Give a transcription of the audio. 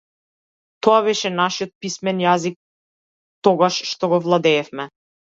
Тоа беше нашиот писмен јазик, тогаш што го владеевме.